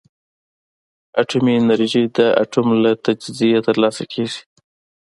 اټومي انرژي د اتوم له تجزیې ترلاسه کېږي.